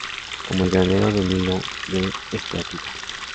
Como el granero de Milo, de esteatita.